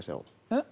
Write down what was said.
えっ？